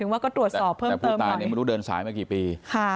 ว่าก็ตรวจสอบเพิ่มเติมแต่ผู้ตายเนี่ยไม่รู้เดินสายมากี่ปี